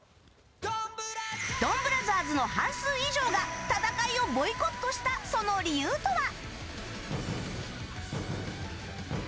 ドンブラザーズの半数以上が戦いをボイコットしたその理由とは？